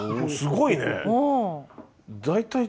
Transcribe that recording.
すごいね！